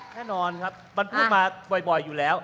แน่นอนครับมันพูดมาบ่อยอยู่แล้ว